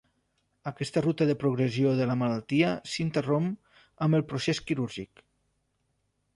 Aquesta ruta de progressió de la malaltia s'interromp amb el procés quirúrgic.